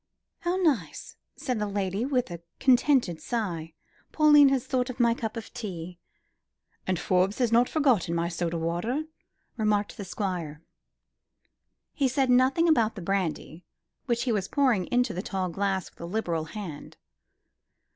"How nice," said the lady, with a contented sigh. "Pauline has thought of my cup of tea." "And Forbes has not forgotten my soda water," remarked the Squire. He said nothing about the brandy, which he was pouring into the tall glass with a liberal hand.